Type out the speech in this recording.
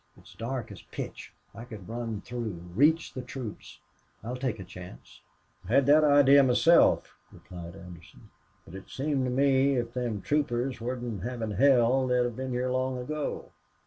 It's dark as pitch. I could run through reach the troops. I'll take a chance." "I had that idee myself," replied Anderson. "But it seems to me if them troopers wasn't havin' hell they'd been here long ago.